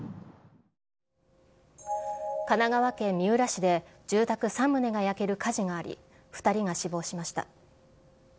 神奈川県三浦市で住宅３棟が焼ける火事があり、２人が死亡しました。